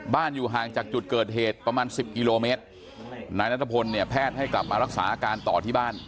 อยู่ห่างจากจุดเกิดเหตุประมาณสิบกิโลเมตรนายนัทพลเนี่ยแพทย์ให้กลับมารักษาอาการต่อที่บ้าน